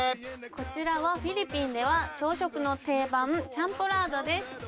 こちらはフィリピンでは朝食の定番チャンポラードです